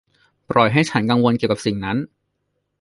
ปล่อยให้ฉันกังวลเกี่ยวกับสิ่งนั้น